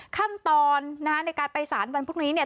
ขั้นตอนนะฮะในการไปสารวันพรุ่งนี้เนี่ย